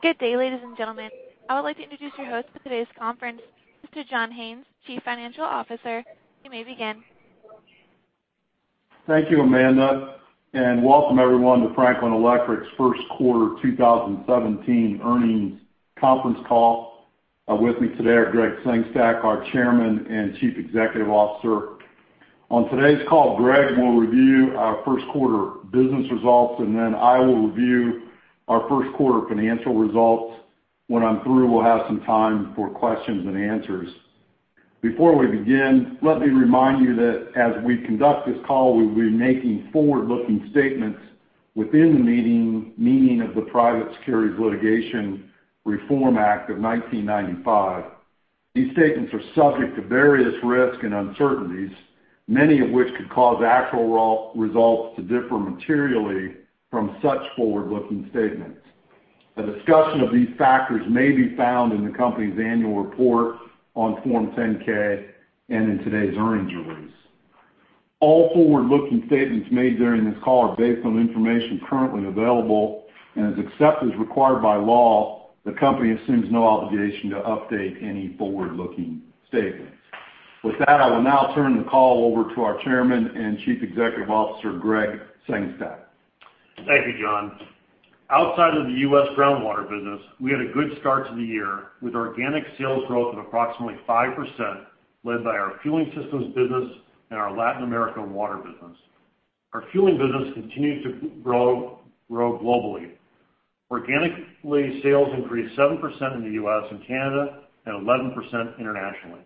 Good day, ladies and gentlemen. I would like to introduce your host for today's conference, Mr. John Haines, Chief Financial Officer. You may begin. Thank you, Amanda. Welcome, everyone, to Franklin Electric's first quarter 2017 earnings conference call. With me today are Gregg Sengstack, our Chairman and Chief Executive Officer. On today's call, Gregg will review our first quarter business results, and then I will review our first quarter financial results. When I'm through, we'll have some time for questions and answers. Before we begin, let me remind you that as we conduct this call, we'll be making forward-looking statements within the meaning of the Private Securities Litigation Reform Act of 1995. These statements are subject to various risks and uncertainties, many of which could cause actual results to differ materially from such forward-looking statements. A discussion of these factors may be found in the company's annual report on Form 10-K and in today's earnings release. All forward-looking statements made during this call are based on information currently available, and as required by law, the company assumes no obligation to update any forward-looking statements. With that, I will now turn the call over to our Chairman and Chief Executive Officer, Gregg Sengstack. Thank you, John. Outside of the U.S. groundwater business, we had a good start to the year with organic sales growth of approximately 5% led by our Fueling Systems business and our Latin America water business. Our fueling business continues to grow globally. Organically sales increased 7% in the U.S. and Canada and 11% internationally.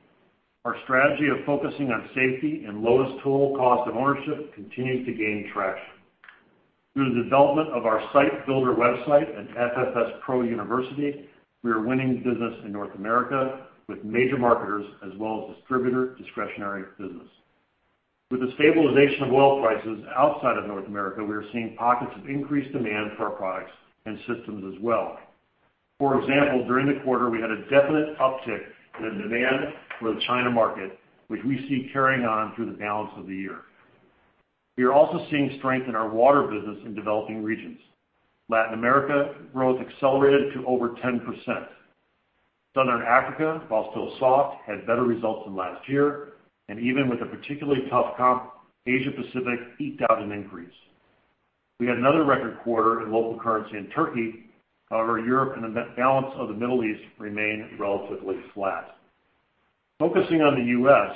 Our strategy of focusing on safety and lowest total cost of ownership continues to gain traction. Through the development of our SiteBuilder website and FFS PRO University, we are winning business in North America with major marketers as well as distributor discretionary business. With the stabilization of oil prices outside of North America, we are seeing pockets of increased demand for our products and systems as well. For example, during the quarter, we had a definite uptick in demand for the China market, which we see carrying on through the balance of the year. We are also seeing strength in our water business in developing regions. Latin America growth accelerated to over 10%. Southern Africa, while still soft, had better results than last year, and even with a particularly tough comp, Asia-Pacific eked out an increase. We had another record quarter in local currency in Turkey. However, Europe and the balance of the Middle East remain relatively flat. Focusing on the U.S.,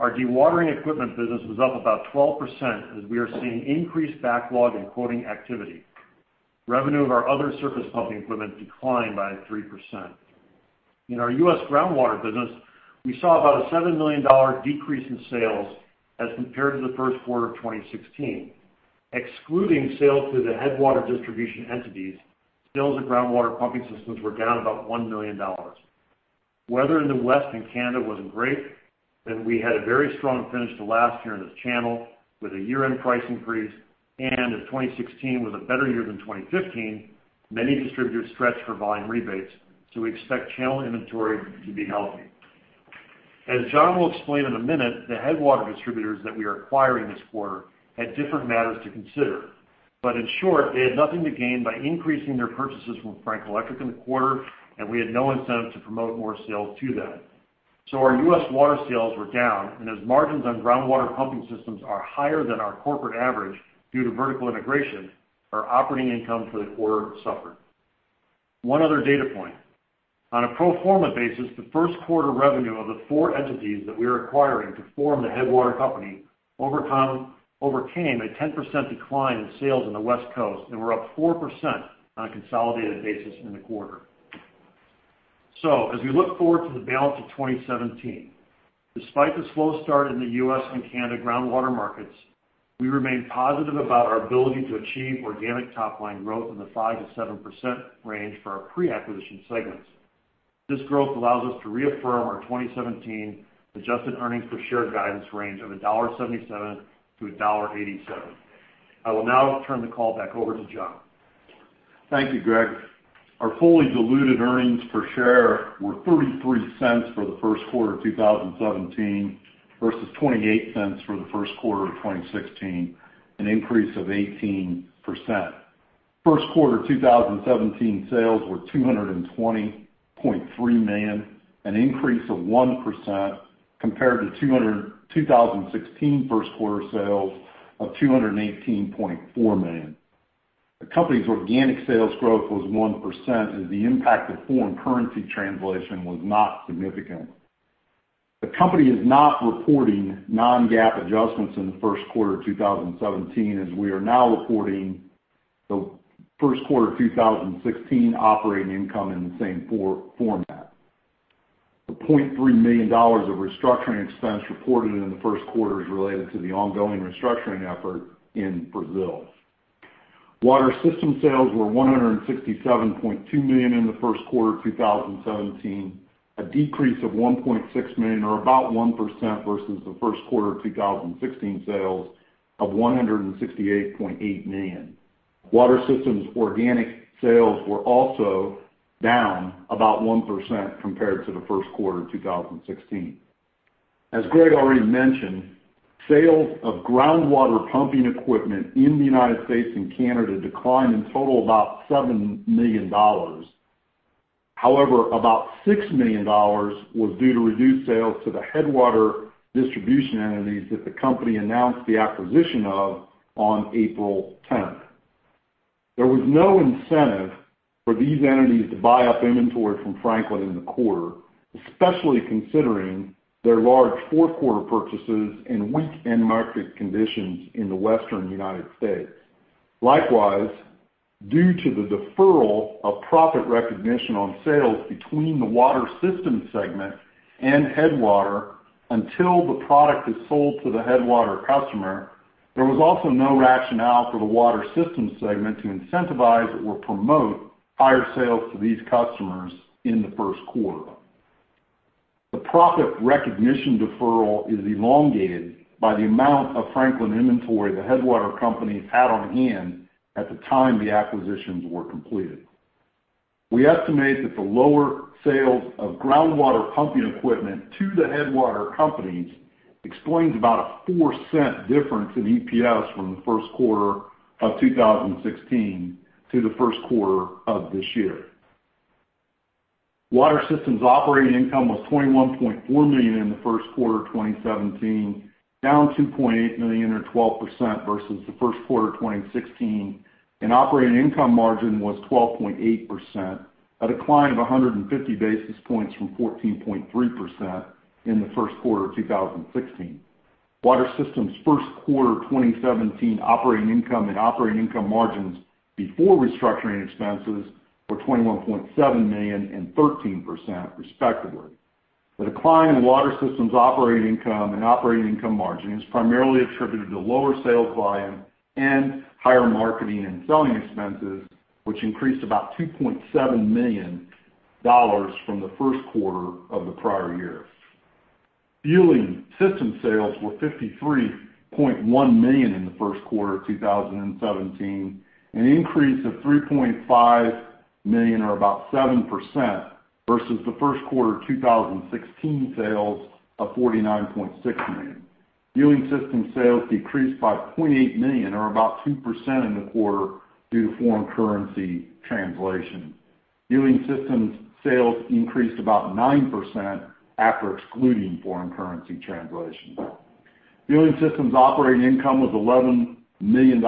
our dewatering equipment business was up about 12% as we are seeing increased backlog in quoting activity. Revenue of our other surface pumping equipment declined by 3%. In our U.S. groundwater business, we saw about a $7 million decrease in sales as compared to the first quarter of 2016. Excluding sales to the Headwater distribution entities, sales of groundwater pumping systems were down about $1 million. Weather in the West and Canada wasn't great, and we had a very strong finish to last year in the channel with a year-end price increase. And if 2016 was a better year than 2015, many distributors stretched for volume rebates, so we expect channel inventory to be healthy. As John will explain in a minute, the Headwater distributors that we are acquiring this quarter had different matters to consider. But in short, they had nothing to gain by increasing their purchases from Franklin Electric in the quarter, and we had no incentive to promote more sales to them. So our U.S. water sales were down, and as margins on groundwater pumping systems are higher than our corporate average due to vertical integration, our operating income for the quarter suffered. One other data point: on a pro forma basis, the first quarter revenue of the four entities that we are acquiring to form the Headwater Companies overcame a 10% decline in sales in the West Coast and were up 4% on a consolidated basis in the quarter. So as we look forward to the balance of 2017, despite the slow start in the U.S. and Canada groundwater markets, we remain positive about our ability to achieve organic top-line growth in the 5%-7% range for our pre-acquisition segments. This growth allows us to reaffirm our 2017 adjusted earnings per share guidance range of $1.77-$1.87. I will now turn the call back over to John. Thank you, Gregg. Our fully diluted earnings per share were $0.33 for the first quarter of 2017 versus $0.28 for the first quarter of 2016, an increase of 18%. First quarter 2017 sales were $220.3 million, an increase of 1% compared to 2016 first quarter sales of $218.4 million. The company's organic sales growth was 1%, and the impact of foreign currency translation was not significant. The company is not reporting non-GAAP adjustments in the first quarter of 2017 as we are now reporting the first quarter 2016 operating income in the same format. The $0.3 million of restructuring expense reported in the first quarter is related to the ongoing restructuring effort in Brazil. Water Systems sales were $167.2 million in the first quarter of 2017, a decrease of $1.6 million or about 1% versus the first quarter of 2016 sales of $168.8 million. Water Systems organic sales were also down about 1% compared to the first quarter of 2016. As Gregg already mentioned, sales of groundwater pumping equipment in the United States and Canada declined in total about $7 million. However, about $6 million was due to reduced sales to the Headwater distribution entities that the company announced the acquisition of on April 10th. There was no incentive for these entities to buy up inventory from Franklin in the quarter, especially considering their large fourth quarter purchases and weak end market conditions in the Western United States. Likewise, due to the deferral of profit recognition on sales between the Water Systems segment and Headwater until the product is sold to the Headwater customer, there was also no rationale for the Water Systems segment to incentivize or promote higher sales to these customers in the first quarter. The profit recognition deferral is elongated by the amount of Franklin inventory the Headwater Companies had on hand at the time the acquisitions were completed. We estimate that the lower sales of groundwater pumping equipment to the Headwater Companies explains about a $0.04 difference in EPS from the first quarter of 2016 to the first quarter of this year. Water Systems operating income was $21.4 million in the first quarter of 2017, down $2.8 million or 12% versus the first quarter of 2016. Operating income margin was 12.8%, a decline of 150 basis points from 14.3% in the first quarter of 2016. Water Systems first quarter 2017 operating income and operating income margins before restructuring expenses were $21.7 million and 13%, respectively. The decline in Water Systems operating income and operating income margin is primarily attributed to lower sales volume and higher marketing and selling expenses, which increased about $2.7 million from the first quarter of the prior year. Fueling Systems sales were $53.1 million in the first quarter of 2017, an increase of $3.5 million or about 7% versus the first quarter 2016 sales of $49.6 million. Fueling Systems sales decreased by $0.8 million or about 2% in the quarter due to foreign currency translation. Fueling Systems sales increased about 9% after excluding foreign currency translation. Fueling Systems operating income was $11 million in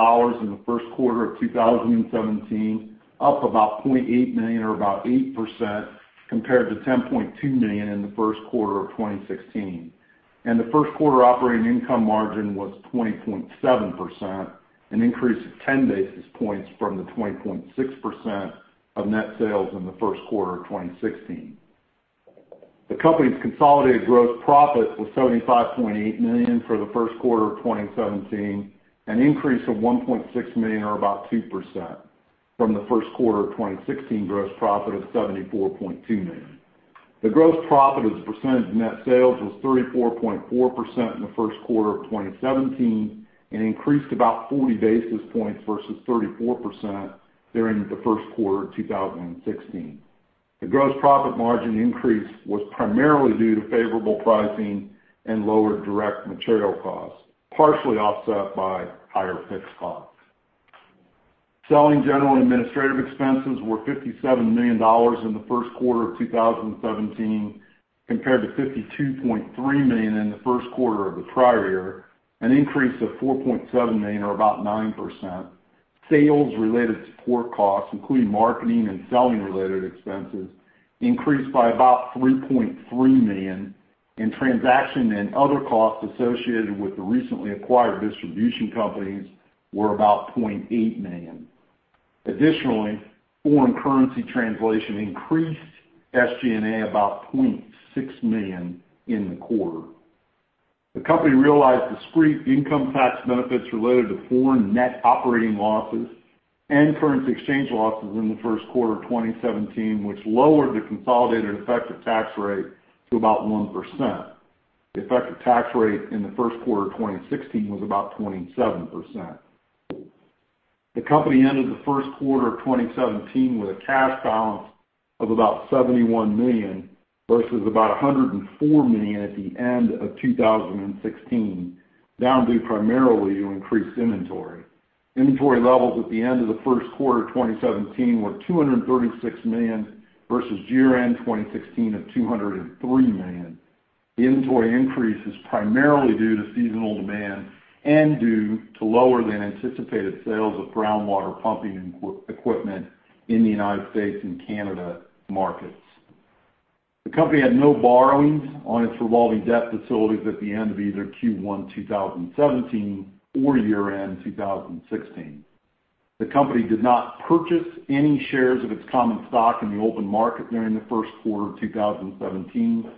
the first quarter of 2017, up about $0.8 million or about 8% compared to $10.2 million in the first quarter of 2016. The first quarter operating income margin was 20.7%, an increase of 10 basis points from the 20.6% of net sales in the first quarter of 2016. The company's consolidated gross profit was $75.8 million for the first quarter of 2017, an increase of $1.6 million or about 2% from the first quarter of 2016 gross profit of $74.2 million. The gross profit as a percentage of net sales was 34.4% in the first quarter of 2017 and increased about 40 basis points versus 34% during the first quarter of 2016. The gross profit margin increase was primarily due to favorable pricing and lower direct material costs, partially offset by higher fixed costs. Selling, general and administrative expenses were $57 million in the first quarter of 2017 compared to $52.3 million in the first quarter of the prior year, an increase of $4.7 million or about 9%. Sales related support costs, including marketing and selling-related expenses, increased by about $3.3 million, and transaction and other costs associated with the recently acquired distribution companies were about $0.8 million. Additionally, foreign currency translation increased SG&A about $0.6 million in the quarter. The company realized discrete income tax benefits related to foreign net operating losses and currency exchange losses in the first quarter of 2017, which lowered the consolidated effective tax rate to about 1%. The effective tax rate in the first quarter of 2016 was about 27%. The company ended the first quarter of 2017 with a cash balance of about $71 million versus about $104 million at the end of 2016, down due primarily to increased inventory. Inventory levels at the end of the first quarter of 2017 were $236 million versus year-end 2016 of $203 million. The inventory increase is primarily due to seasonal demand and due to lower than anticipated sales of groundwater pumping equipment in the United States and Canada markets. The company had no borrowings on its revolving debt facilities at the end of either Q1 2017 or year-end 2016. The company did not purchase any shares of its common stock in the open market during the first quarter of 2017,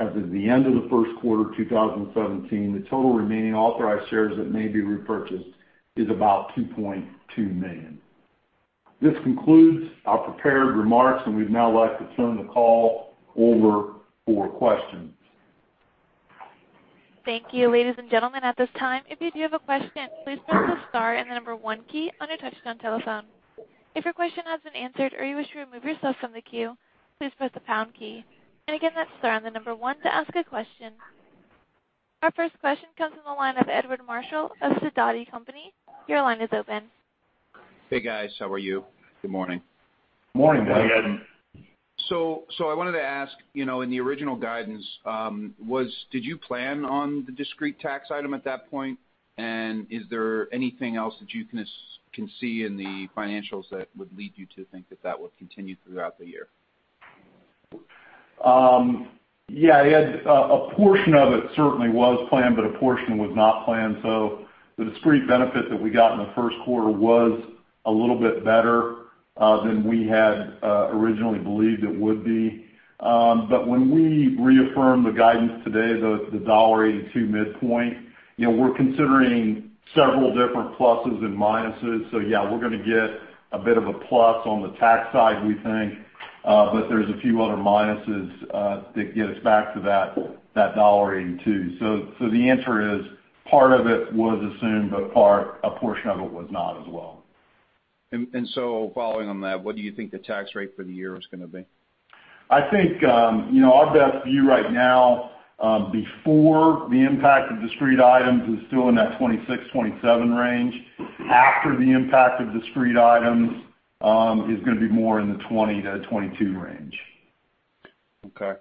as at the end of the first quarter of 2017, the total remaining authorized shares that may be repurchased is about 2.2 million. This concludes our prepared remarks, and we'd now like to turn the call over for questions. Thank you, ladies and gentlemen. At this time, if you do have a question, please press the star and the number one key on your touch-tone telephone. If your question has been answered or you wish to remove yourself from the queue, please press the pound key. And again, that star and the number one to ask a question. Our first question comes from the line of Edward Marshall of Stifel. Your line is open. Hey, guys. How are you? Good morning. Morning, buddy. Hey, Edward. I wanted to ask, in the original guidance, did you plan on the discrete tax item at that point? Is there anything else that you can see in the financials that would lead you to think that that would continue throughout the year? Yeah, Ed, a portion of it certainly was planned, but a portion was not planned. So the discrete benefit that we got in the first quarter was a little bit better than we had originally believed it would be. But when we reaffirm the guidance today, the $1.82 midpoint, we're considering several different pluses and minuses. So yeah, we're going to get a bit of a plus on the tax side, we think, but there's a few other minuses that get us back to that $1.82. So the answer is part of it was assumed, but a portion of it was not as well. Following on that, what do you think the tax rate for the year is going to be? I think our best view right now, before the impact of discrete items, is still in that 26-27 range. After the impact of discrete items, it's going to be more in the 20-22 range. Okay.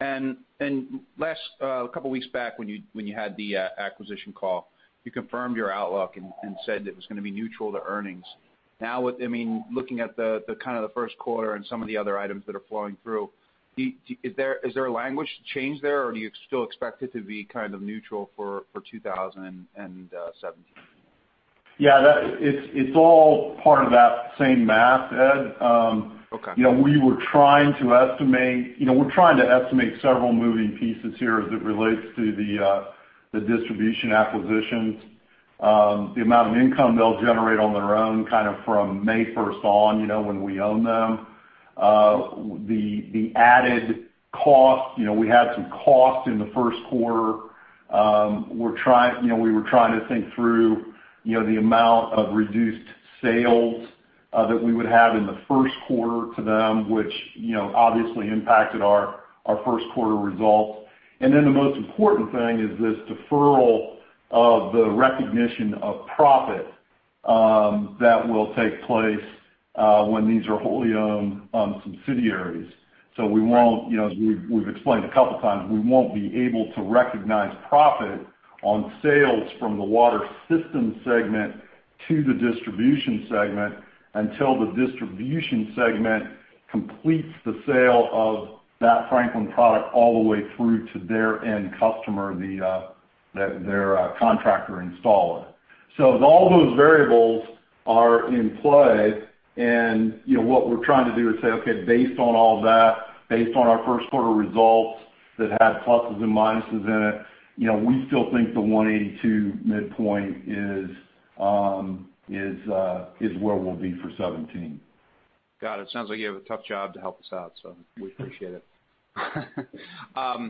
A couple of weeks back, when you had the acquisition call, you confirmed your outlook and said that it was going to be neutral to earnings. Now, I mean, looking at kind of the first quarter and some of the other items that are flowing through, is there a language change there, or do you still expect it to be kind of neutral for 2017? Yeah, it's all part of that same math, Ed. We're trying to estimate several moving pieces here as it relates to the distribution acquisitions, the amount of income they'll generate on their own kind of from May 1st on when we own them. The added cost, we had some cost in the first quarter. We're trying to think through the amount of reduced sales that we would have in the first quarter to them, which obviously impacted our first quarter results. Then the most important thing is this deferral of the recognition of profit that will take place when these are wholly owned subsidiaries. So we won't, as we've explained a couple of times, we won't be able to recognize profit on sales from the Water Systems segment to the distribution segment until the distribution segment completes the sale of that Franklin product all the way through to their end customer, their contractor installer. So all those variables are in play. And what we're trying to do is say, "Okay, based on all that, based on our first quarter results that had pluses and minuses in it, we still think the 1.82 midpoint is where we'll be for 2017. Got it. Sounds like you have a tough job to help us out, so we appreciate it. I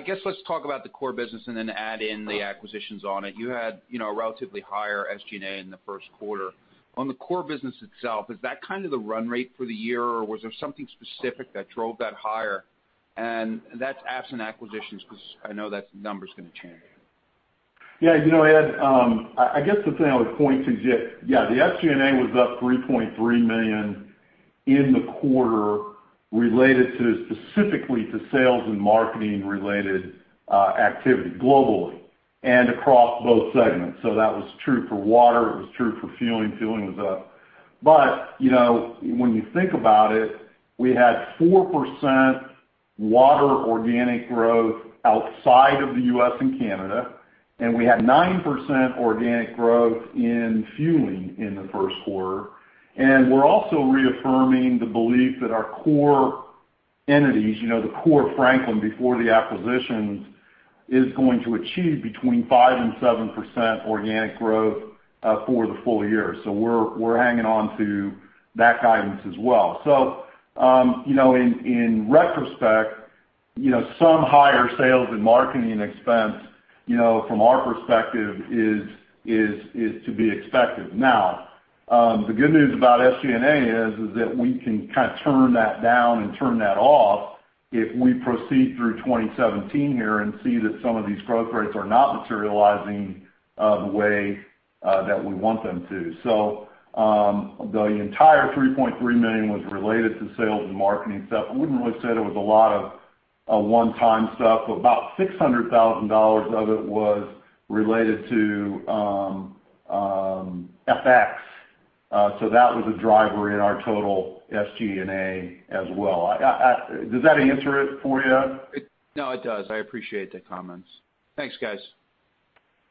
guess let's talk about the core business and then add in the acquisitions on it. You had a relatively higher SG&A in the first quarter. On the core business itself, is that kind of the run rate for the year, or was there something specific that drove that higher? And that's absent acquisitions because I know that number's going to change. Yeah, Ed, I guess the thing I would point to is just, yeah, the SG&A was up $3.3 million in the quarter related specifically to sales and marketing-related activity globally and across both segments. So that was true for water. It was true for fueling. Fueling was up. But when you think about it, we had 4% water organic growth outside of the U.S. and Canada, and we had 9% organic growth in fueling in the first quarter. And we're also reaffirming the belief that our core entities, the core Franklin before the acquisitions, is going to achieve between 5%-7% organic growth for the full year. So we're hanging on to that guidance as well. So in retrospect, some higher sales and marketing expense, from our perspective, is to be expected. Now, the good news about SG&A is that we can kind of turn that down and turn that off if we proceed through 2017 here and see that some of these growth rates are not materializing the way that we want them to. So the entire $3.3 million was related to sales and marketing stuff. I wouldn't really say there was a lot of one-time stuff, but about $600,000 of it was related to FX. So that was a driver in our total SG&A as well. Does that answer it for you, Ed? No, it does. I appreciate the comments. Thanks, guys.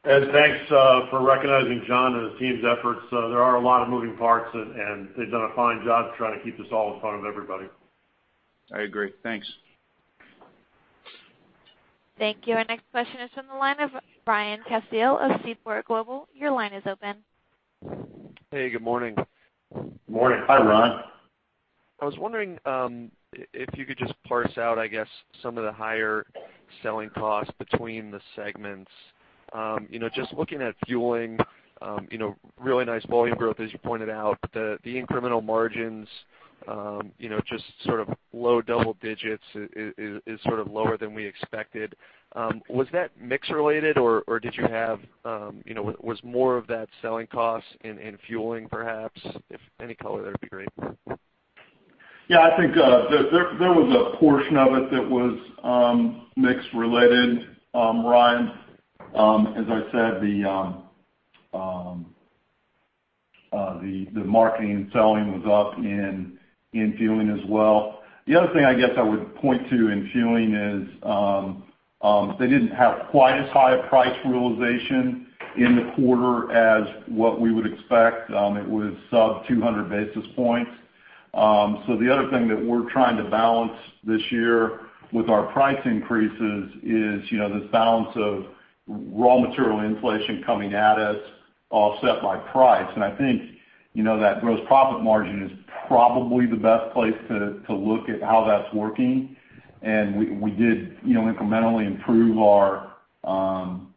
Ed, thanks for recognizing John and his team's efforts. There are a lot of moving parts, and they've done a fine job trying to keep this all in front of everybody. I agree. Thanks. Thank you. Our next question is from the line of Ryan Cassil of Seaport Global. Your line is open. Hey, good morning. Good morning. Hi, Ryan. I was wondering if you could just parse out, I guess, some of the higher selling costs between the segments. Just looking at fueling, really nice volume growth, as you pointed out. The incremental margins, just sort of low double digits, is sort of lower than we expected. Was that mix-related, or did you have was more of that selling cost in fueling, perhaps? If any color, that'd be great. Yeah, I think there was a portion of it that was mix-related. Ryan, as I said, the marketing and selling was up in fueling as well. The other thing, I guess, I would point to in fueling is they didn't have quite as high a price realization in the quarter as what we would expect. It was sub-200 basis points. So the other thing that we're trying to balance this year with our price increases is this balance of raw material inflation coming at us offset by price. And I think that gross profit margin is probably the best place to look at how that's working. And we did incrementally improve our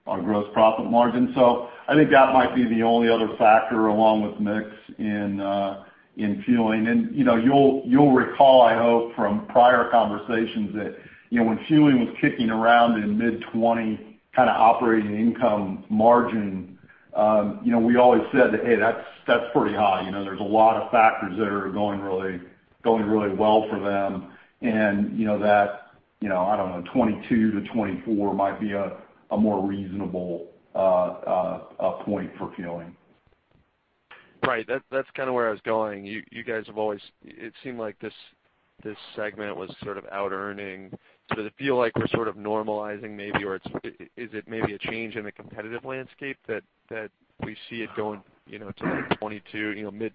gross profit margin. So I think that might be the only other factor along with mix in fueling. You'll recall, I hope, from prior conversations that when fueling was kicking around in mid-20 kind of operating income margin, we always said that, "Hey, that's pretty high." There's a lot of factors that are going really well for them, and that, I don't know, 22-24 might be a more reasonable point for fueling. Right. That's kind of where I was going. You guys have always it seemed like this segment was sort of out-earning. Does it feel like we're sort of normalizing maybe, or is it maybe a change in the competitive landscape that we see it going to mid-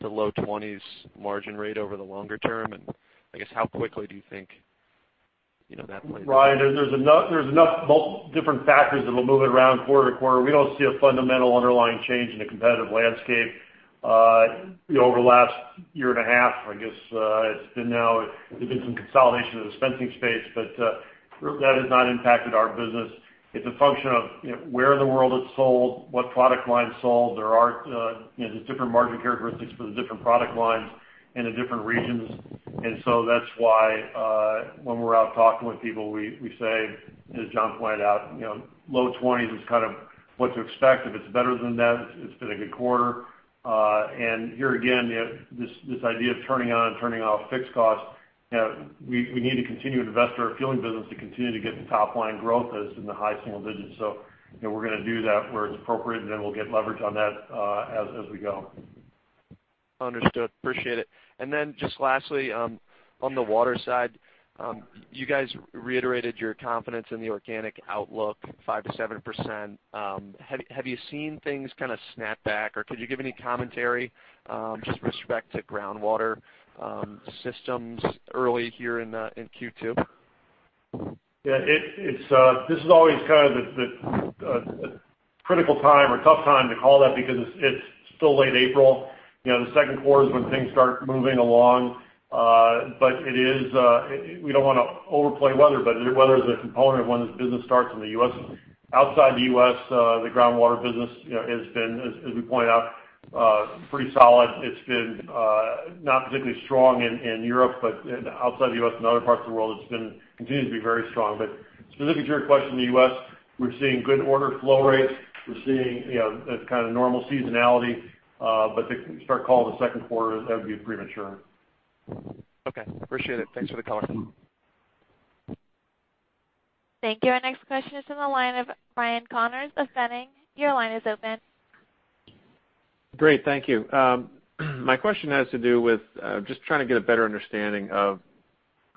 to low-20s% margin rate over the longer term? And I guess, how quickly do you think that plays out? Ryan, there's enough different factors that will move it around quarter to quarter. We don't see a fundamental underlying change in the competitive landscape. Over the last year and a half, I guess it's been now there's been some consolidation of the spending space, but that has not impacted our business. It's a function of where in the world it's sold, what product line sold. There are just different margin characteristics for the different product lines in the different regions. And so that's why when we're out talking with people, we say, as John pointed out, low 20s is kind of what to expect. If it's better than that, it's been a good quarter. And here again, this idea of turning on and turning off fixed costs, we need to continue to invest our fueling business to continue to get the top-line growth as in the high single digits. We're going to do that where it's appropriate, and then we'll get leverage on that as we go. Understood. Appreciate it. And then just lastly, on the water side, you guys reiterated your confidence in the organic outlook, 5%-7%. Have you seen things kind of snap back, or could you give any commentary just with respect to ground Water Systems early here in Q2? Yeah, this is always kind of the critical time or tough time to call that because it's still late April. The second quarter is when things start moving along. But we don't want to overplay weather, but weather is a component of when this business starts in the U.S. Outside the U.S., the groundwater business has been, as we pointed out, pretty solid. It's been not particularly strong in Europe, but outside the U.S. and other parts of the world, it continues to be very strong. But specific to your question, the U.S., we're seeing good order flow rates. We're seeing kind of normal seasonality. But to start calling the second quarter, that would be premature. Okay. Appreciate it. Thanks for the call. Thank you. Our next question is from the line of Ryan Connors of Boenning. Your line is open. Great. Thank you. My question has to do with just trying to get a better understanding of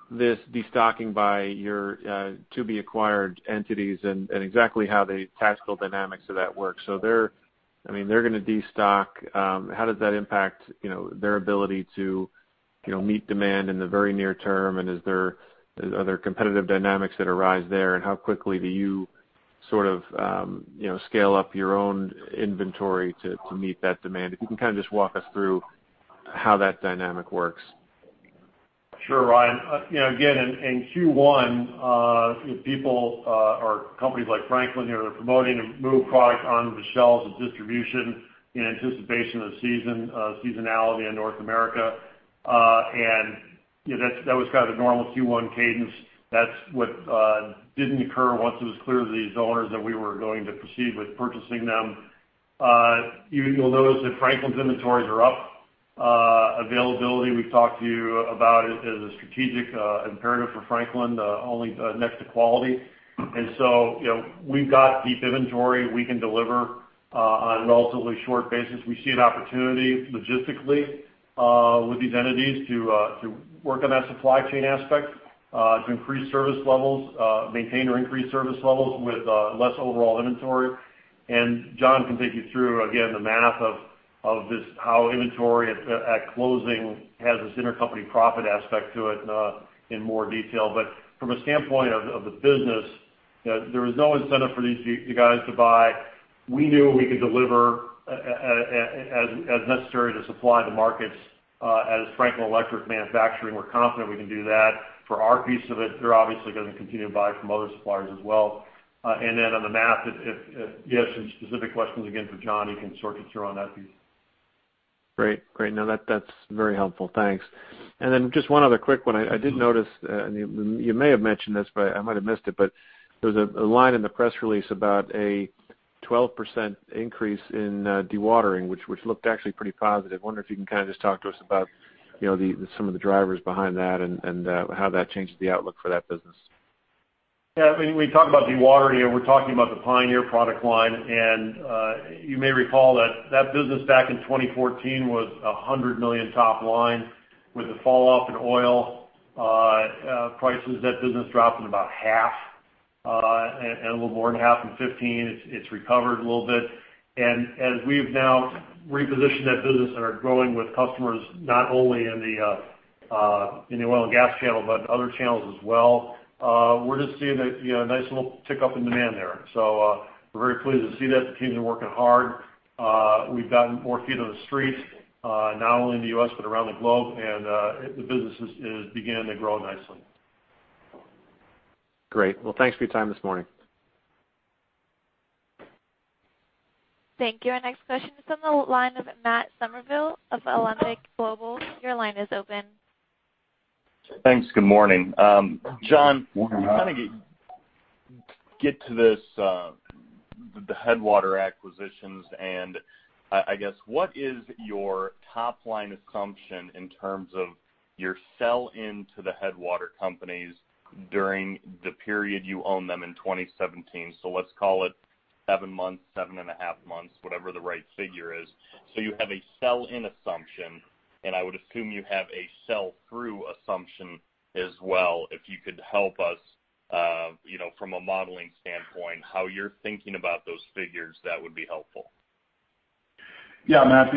this destocking by your to-be-acquired entities and exactly how the tactical dynamics of that work. So I mean, they're going to destock. How does that impact their ability to meet demand in the very near term? And are there competitive dynamics that arise there? And how quickly do you sort of scale up your own inventory to meet that demand? If you can kind of just walk us through how that dynamic works. Sure, Ryan. Again, in Q1, people or companies like Franklin here are promoting and move product onto the shelves of distribution in anticipation of seasonality in North America. That was kind of the normal Q1 cadence. That's what didn't occur once it was clear to these owners that we were going to proceed with purchasing them. You'll notice that Franklin's inventories are up. Availability, we've talked to you about, is a strategic imperative for Franklin, only next to quality. We've got deep inventory. We can deliver on a relatively short basis. We see an opportunity logistically with these entities to work on that supply chain aspect, to increase service levels, maintain or increase service levels with less overall inventory. John can take you through, again, the math of how inventory at closing has this intercompany profit aspect to it in more detail. But from a standpoint of the business, there was no incentive for these guys to buy. We knew we could deliver as necessary to supply the markets as Franklin Electric manufacturing. We're confident we can do that. For our piece of it, they're obviously going to continue to buy from other suppliers as well. And then on the math, if you have some specific questions, again, for John, he can sort you through on that piece. Great. Great. No, that's very helpful. Thanks. And then just one other quick one. I did notice and you may have mentioned this, but I might have missed it, but there was a line in the press release about a 12% increase in dewatering, which looked actually pretty positive. I wonder if you can kind of just talk to us about some of the drivers behind that and how that changed the outlook for that business. Yeah. I mean, when you talk about dewatering, we're talking about the Pioneer product line. You may recall that that business back in 2014 was $100 million top line. With the falloff in oil prices, that business dropped in about half and a little more than half in 2015. It's recovered a little bit. As we've now repositioned that business and are growing with customers not only in the oil and gas channel but other channels as well, we're just seeing a nice little tick up in demand there. We're very pleased to see that. The team's been working hard. We've gotten more feet on the street, not only in the U.S. but around the globe. The business is beginning to grow nicely. Great. Well, thanks for your time this morning. Thank you. Our next question is from the line of Matt Somerville of Alembic Global. Your line is open. Thanks. Good morning. John, I'm trying to get to the Headwater acquisitions. And I guess, what is your top-line assumption in terms of your sell-in to the Headwater companies during the period you own them in 2017? So let's call it 7 months, 7.5 months, whatever the right figure is. So you have a sell-in assumption, and I would assume you have a sell-through assumption as well. If you could help us, from a modeling standpoint, how you're thinking about those figures, that would be helpful. Yeah, Matt.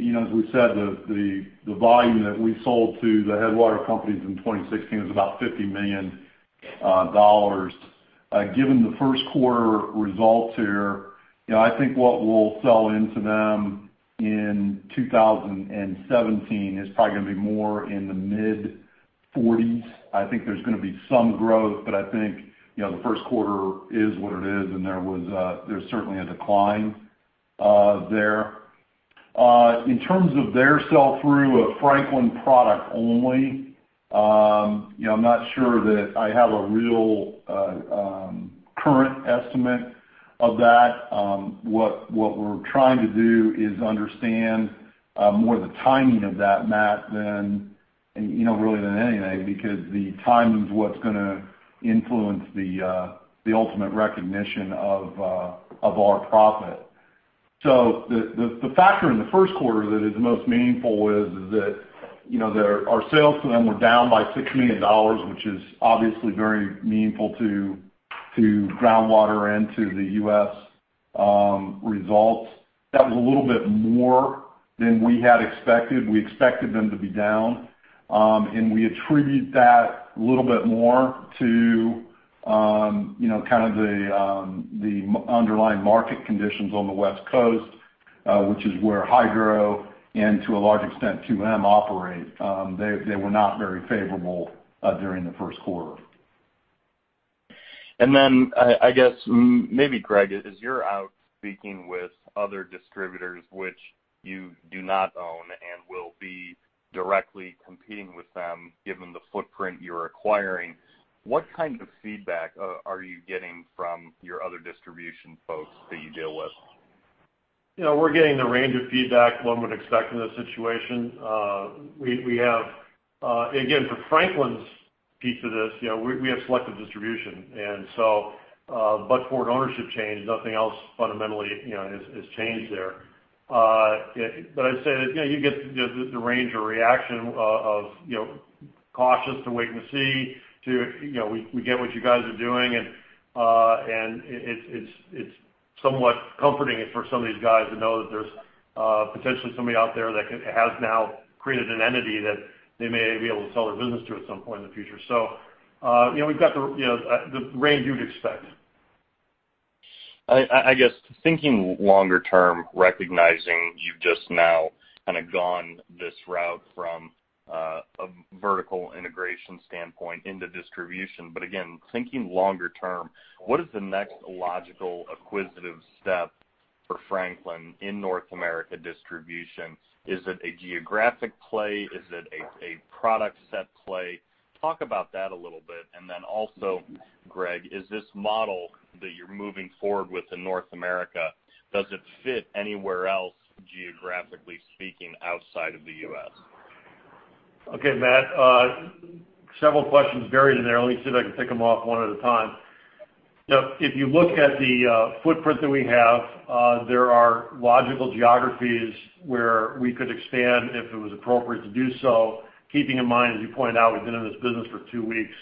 As we said, the volume that we sold to the Headwater Companies in 2016 was about $50 million. Given the first quarter results here, I think what we'll sell into them in 2017 is probably going to be more in the mid-40s. I think there's going to be some growth, but I think the first quarter is what it is, and there's certainly a decline there. In terms of their sell-through of Franklin product only, I'm not sure that I have a real current estimate of that. What we're trying to do is understand more the timing of that, Matt, really than anything because the timing's what's going to influence the ultimate recognition of our profit. So the factor in the first quarter that is most meaningful is that our sales to them were down by $6 million, which is obviously very meaningful to groundwater and to the U.S. results. That was a little bit more than we had expected. We expected them to be down. We attribute that a little bit more to kind of the underlying market conditions on the West Coast, which is where Hydro and, to a large extent, 2M operate. They were not very favorable during the first quarter. And then I guess maybe, Gregg, as you're out speaking with other distributors which you do not own and will be directly competing with them given the footprint you're acquiring, what kind of feedback are you getting from your other distribution folks that you deal with? We're getting the range of feedback one would expect in this situation. We have again, for Franklin's piece of this, we have selective distribution. And so but forward ownership changed. Nothing else fundamentally has changed there. But I'd say that you get the range of reaction of cautious to wait and see to we get what you guys are doing. And it's somewhat comforting for some of these guys to know that there's potentially somebody out there that has now created an entity that they may be able to sell their business to at some point in the future. So we've got the range you'd expect. I guess thinking longer term, recognizing you've just now kind of gone this route from a vertical integration standpoint into distribution. But again, thinking longer term, what is the next logical, acquisitive step for Franklin in North America distribution? Is it a geographic play? Is it a product set play? Talk about that a little bit. And then also, Gregg, is this model that you're moving forward with in North America, does it fit anywhere else, geographically speaking, outside of the U.S.? Okay, Matt. Several questions buried in there. Let me see if I can pick them off one at a time. If you look at the footprint that we have, there are logical geographies where we could expand if it was appropriate to do so, keeping in mind, as you pointed out, we've been in this business for two weeks.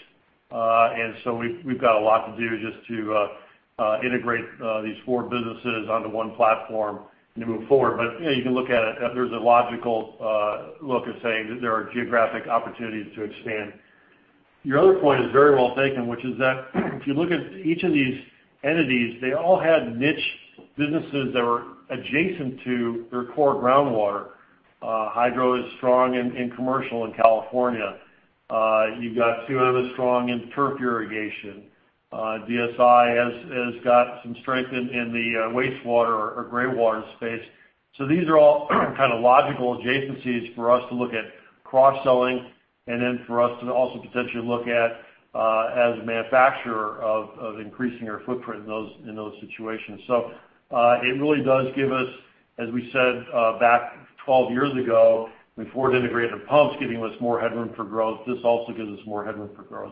And so we've got a lot to do just to integrate these four businesses onto one platform and to move forward. But you can look at it. There's a logical look at saying that there are geographic opportunities to expand. Your other point is very well taken, which is that if you look at each of these entities, they all had niche businesses that were adjacent to their core groundwater. Hydro is strong in commercial in California. You've got 2M is strong in turf irrigation. DPS has got some strength in the wastewater or graywater space. So these are all kind of logical adjacencies for us to look at cross-selling and then for us to also potentially look at as a manufacturer of increasing our footprint in those situations. So it really does give us, as we said back 12 years ago, before it integrated the pumps, giving us more headroom for growth. This also gives us more headroom for growth.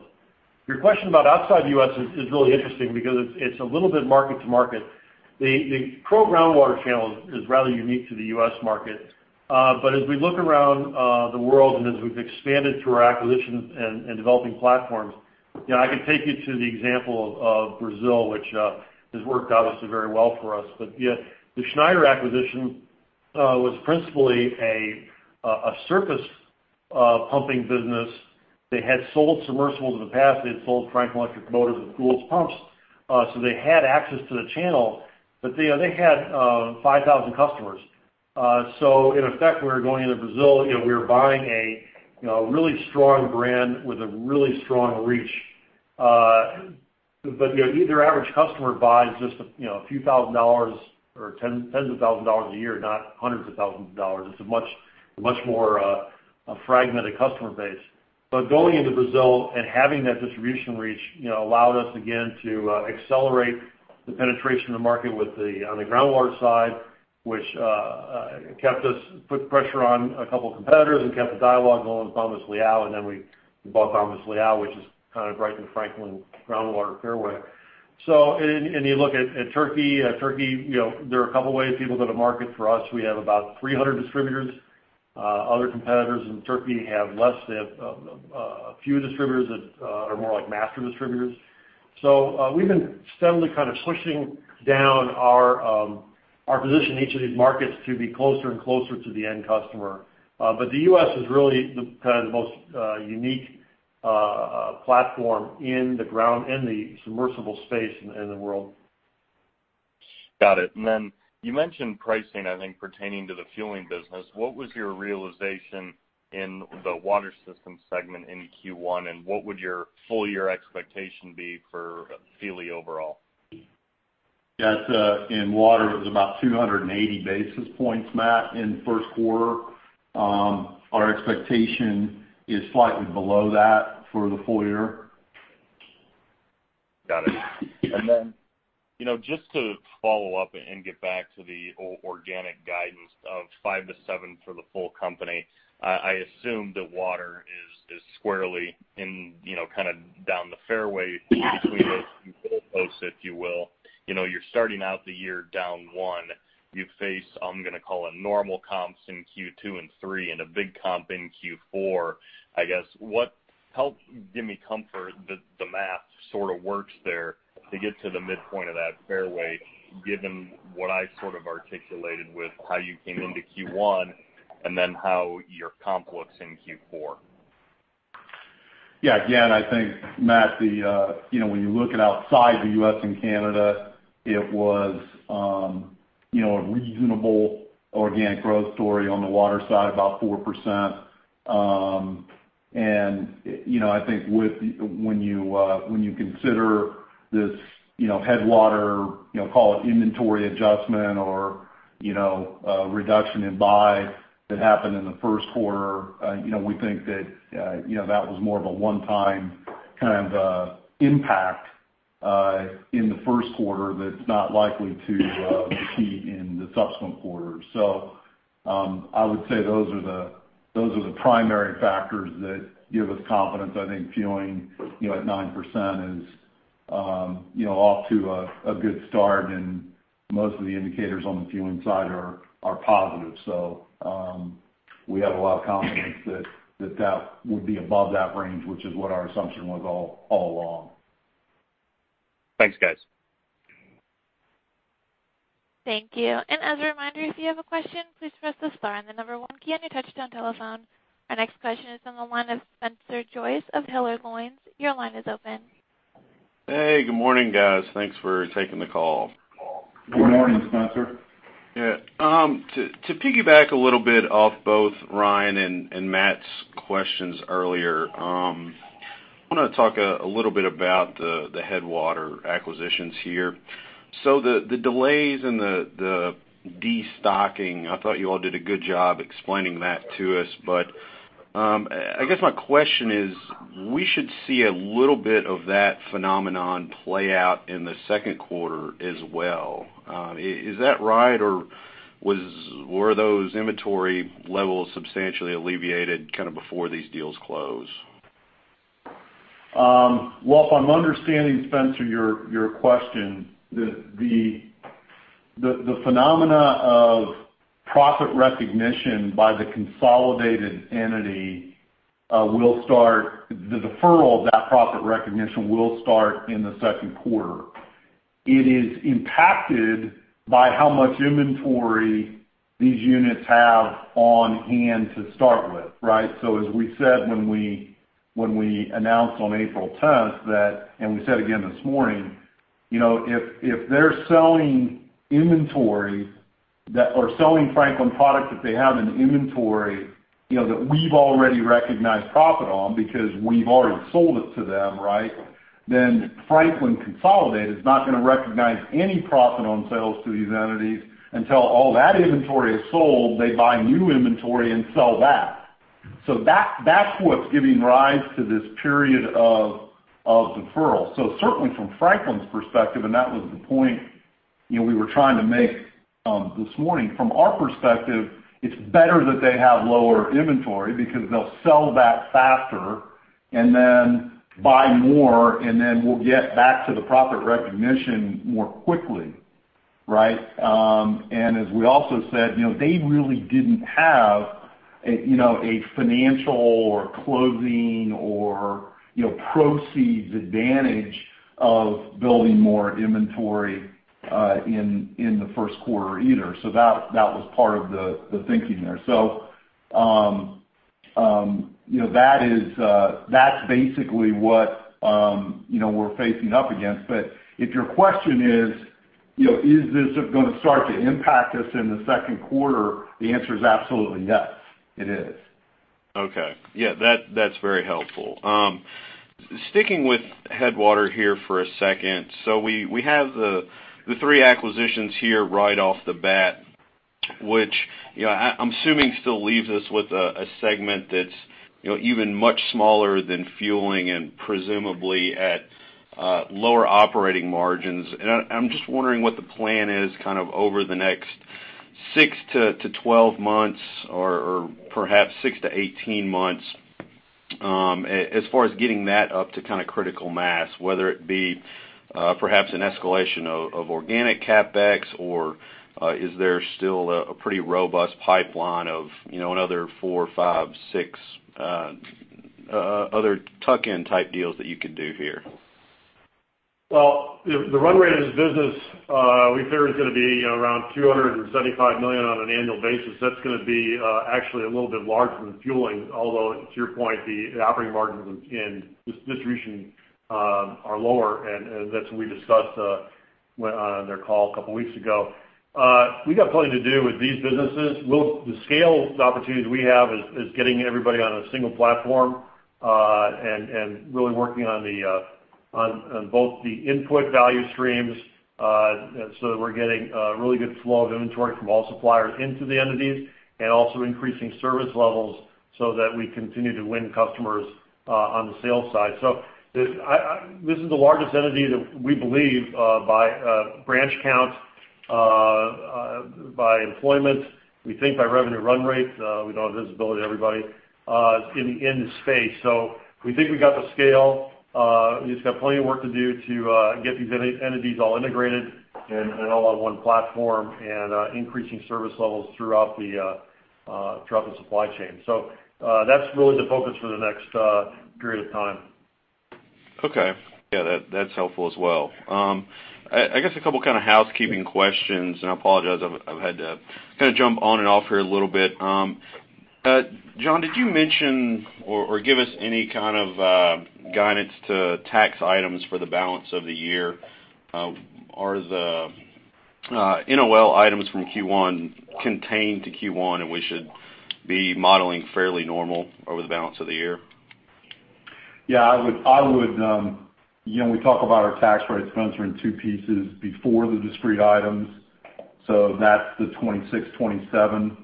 Your question about outside the U.S. is really interesting because it's a little bit market-to-market. The pro-groundwater channel is rather unique to the U.S. market. But as we look around the world and as we've expanded through our acquisitions and developing platforms, I could take you to the example of Brazil, which has worked obviously very well for us. But the Schneider acquisition was principally a surface pumping business. They had sold submersibles in the past. They had sold Franklin Electric Motors with Goulds Pumps. So they had access to the channel. But they had 5,000 customers. So in effect, we were going into Brazil. We were buying a really strong brand with a really strong reach. But their average customer buys just a few thousand dollars or tens of thousands of dollars a year, not hundreds of thousands of dollars. It's a much more fragmented customer base. But going into Brazil and having that distribution reach allowed us, again, to accelerate the penetration of the market on the groundwater side, which put pressure on a couple of competitors and kept the dialogue going with Bombas Leão. And then we bought Bombas Leão, which is kind of right in the Franklin Groundwater Fairway. So when you look at Turkey, there are a couple of ways people go to market for us. We have about 300 distributors. Other competitors in Turkey have less. They have a few distributors that are more like master distributors. So we've been steadily kind of pushing down our position in each of these markets to be closer and closer to the end customer. But the U.S. is really kind of the most unique platform in the submersible space in the world. Got it. And then you mentioned pricing, I think, pertaining to the fueling business. What was your realization in the Water Systems segment in Q1? And what would your full-year expectation be for fueling overall? Yeah. In water, it was about 280 basis points, Matt, in the first quarter. Our expectation is slightly below that for the full year. Got it. And then just to follow up and get back to the organic guidance of 5-7 for the full company, I assume that water is squarely kind of down the fairway between those two goalposts, if you will. You're starting out the year down 1. You face, I'm going to call it, normal comps in Q2 and Q3 and a big comp in Q4. I guess, give me comfort that the math sort of works there to get to the midpoint of that fairway given what I sort of articulated with how you came into Q1 and then how your comp looks in Q4. Yeah. Again, I think, Matt, when you look at outside the U.S. and Canada, it was a reasonable organic growth story on the water side, about 4%. And I think when you consider this Headwater, call it inventory adjustment or reduction in buy that happened in the first quarter, we think that that was more of a one-time kind of impact in the first quarter that's not likely to repeat in the subsequent quarters. So I would say those are the primary factors that give us confidence. I think fueling at 9% is off to a good start. And most of the indicators on the fueling side are positive. So we have a lot of confidence that that would be above that range, which is what our assumption was all along. Thanks, guys. Thank you. And as a reminder, if you have a question, please press the star on the number one key on your touch-tone telephone. Our next question is on the line of Spencer Joyce of Hilliard Lyons. Your line is open. Hey. Good morning, guys. Thanks for taking the call. Good morning, Spencer. Yeah. To piggyback a little bit off both Ryan and Matt's questions earlier, I want to talk a little bit about the Headwater acquisitions here. So the delays and the destocking, I thought you all did a good job explaining that to us. But I guess my question is, we should see a little bit of that phenomenon play out in the second quarter as well. Is that right, or were those inventory levels substantially alleviated kind of before these deals closed? Well, if I'm understanding, Spencer, your question, the phenomena of profit recognition by the consolidated entity will start the deferral of that profit recognition will start in the second quarter. It is impacted by how much inventory these units have on hand to start with, right? So as we said when we announced on April 10th that and we said again this morning, if they're selling inventory or selling Franklin product that they have in inventory that we've already recognized profit on because we've already sold it to them, right, then Franklin Consolidated is not going to recognize any profit on sales to these entities until all that inventory is sold. They buy new inventory and sell that. So that's what's giving rise to this period of deferral. So certainly, from Franklin's perspective, and that was the point we were trying to make this morning, from our perspective, it's better that they have lower inventory because they'll sell that faster and then buy more, and then we'll get back to the profit recognition more quickly, right? And as we also said, they really didn't have a financial or closing or proceeds advantage of building more inventory in the first quarter either. So that was part of the thinking there. So that's basically what we're facing up against. But if your question is, "Is this going to start to impact us in the second quarter?" the answer is absolutely yes. It is. Okay. Yeah. That's very helpful. Sticking with Headwater here for a second, so we have the three acquisitions here right off the bat, which I'm assuming still leaves us with a segment that's even much smaller than fueling and presumably at lower operating margins. And I'm just wondering what the plan is kind of over the next 6-12 months or perhaps 6-18 months as far as getting that up to kind of critical mass, whether it be perhaps an escalation of organic capex or is there still a pretty robust pipeline of another 4, 5, 6 other tuck-in type deals that you could do here? Well, the run rate of this business, we figure it's going to be around $275 million on an annual basis. That's going to be actually a little bit larger than fueling, although, to your point, the operating margins in distribution are lower. And that's what we discussed on their call a couple of weeks ago. We got plenty to do with these businesses. The scale, the opportunities we have is getting everybody on a single platform and really working on both the input value streams so that we're getting a really good flow of inventory from all suppliers into the entities and also increasing service levels so that we continue to win customers on the sales side. So this is the largest entity that we believe by branch count, by employment, we think by revenue run rate - we don't have visibility, everybody - in the space. So we think we got the scale. We just got plenty of work to do to get these entities all integrated and all on one platform and increasing service levels throughout the supply chain. So that's really the focus for the next period of time. Okay. Yeah. That's helpful as well. I guess a couple of kind of housekeeping questions. And I apologize. I've had to kind of jump on and off here a little bit. John, did you mention or give us any kind of guidance to tax items for the balance of the year? Are the NOL items from Q1 contained to Q1, and we should be modeling fairly normal over the balance of the year? Yeah. We talk about our tax rate, Spencer, in two pieces before the discrete items. So that's the 26%-27%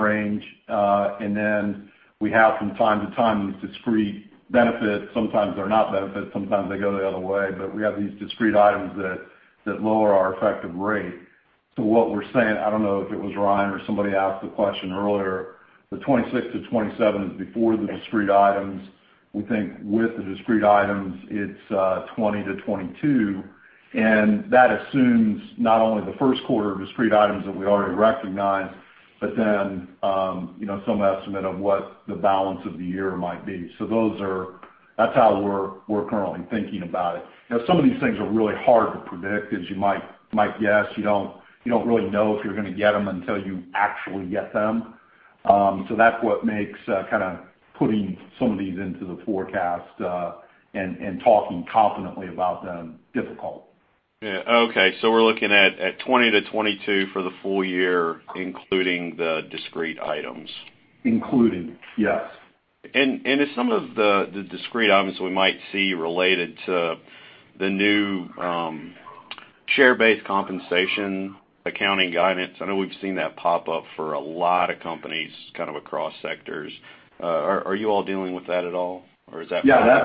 range. And then we have, from time to time, these discrete benefits. Sometimes they're not benefits. Sometimes they go the other way. But we have these discrete items that lower our effective rate. So what we're saying, I don't know if it was Ryan or somebody asked the question earlier. The 26%-27% is before the discrete items. We think with the discrete items, it's 20%-22%. And that assumes not only the first quarter of discrete items that we already recognize but then some estimate of what the balance of the year might be. So that's how we're currently thinking about it. Some of these things are really hard to predict, as you might guess. You don't really know if you're going to get them until you actually get them. So that's what makes kind of putting some of these into the forecast and talking confidently about them difficult. Yeah. Okay. So we're looking at 20-22 for the full year, including the discrete items? Including. Yes. Is some of the discrete items that we might see related to the new share-based compensation accounting guidance? I know we've seen that pop up for a lot of companies kind of across sectors. Are you all dealing with that at all, or is that? Yeah.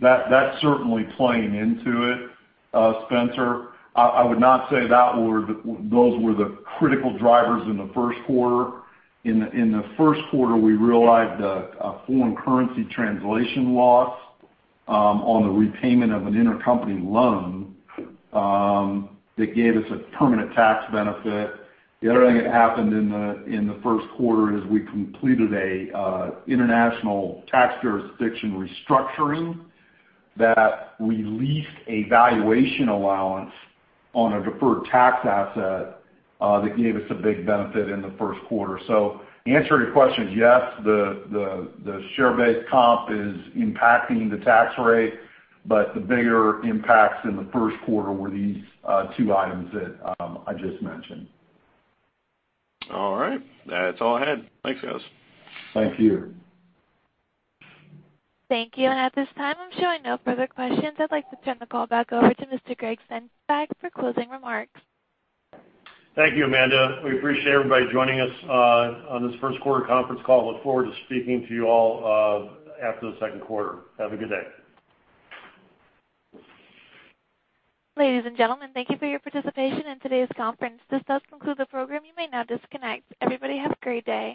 That's certainly playing into it, Spencer. I would not say those were the critical drivers in the first quarter. In the first quarter, we realized a foreign currency translation loss on the repayment of an intercompany loan that gave us a permanent tax benefit. The other thing that happened in the first quarter is we completed an international tax jurisdiction restructuring that released a valuation allowance on a deferred tax asset that gave us a big benefit in the first quarter. So the answer to your question is yes. The share-based comp is impacting the tax rate. But the bigger impacts in the first quarter were these two items that I just mentioned. All right. That's all I had. Thanks, guys. Thank you. Thank you. At this time, I'm showing no further questions. I'd like to turn the call back over to Mr. Gregg Sengstack for closing remarks. Thank you, Amanda. We appreciate everybody joining us on this first quarter conference call. Look forward to speaking to you all after the second quarter. Have a good day. Ladies and gentlemen, thank you for your participation in today's conference. This does conclude the program. You may now disconnect. Everybody have a great day.